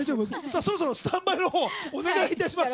そろそろスタンバイのほうお願いいたします。